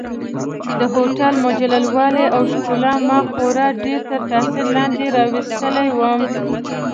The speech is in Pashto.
د هوټل مجلل والي او ښکلا ما خورا ډېر تر تاثیر لاندې راوستلی وم.